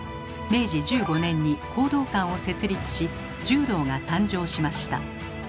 明治１５年に講道館を設立し「柔道」が誕生しました。